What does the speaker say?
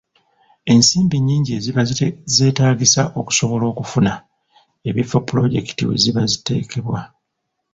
Ensimbi nnyingi eziba zeetaagisa okusobola okufuna ebifo pulojekiti we ziba ziteekebwa.